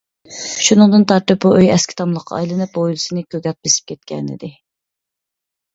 شۇنىڭدىن تارتىپ بۇ ئۆي ئەسكى تاملىققا ئايلىنىپ، ھويلىسىنى كوكات بېسىپ كەتكەنىدى.